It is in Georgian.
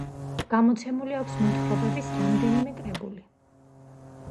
გამოცემული აქვს მოთხრობების რამდენიმე კრებული.